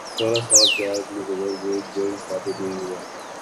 سولہ سال قید میں گزر گئے جرم ثابت نہیں ہوا